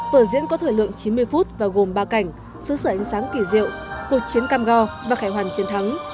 vở diễn có thời lượng chín mươi phút và gồm ba cảnh xứ sở ánh sáng kỳ diệu cuộc chiến cam go và khải hoàn chiến thắng